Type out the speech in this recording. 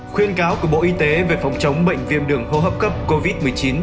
khuyên cáo của bộ y tế về phòng chống bệnh viêm đường hô hấp cấp covid một mươi chín